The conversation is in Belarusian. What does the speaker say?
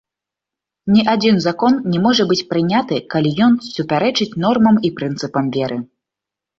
Ні адзін закон не можа быць прыняты, калі ён супярэчыць нормам і прынцыпам веры.